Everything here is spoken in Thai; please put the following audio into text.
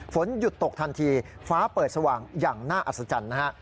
ฝนหยุดตกทันทีฟ้าเปิดสว่างอย่างน่าอัศจรรย์นะฮะ